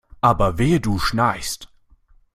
Aber wehe du schnarchst!